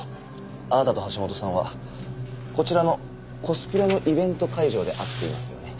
あなたと橋本さんはこちらのコスプレのイベント会場で会っていますよね？